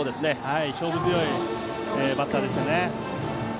勝負強いバッターですよね。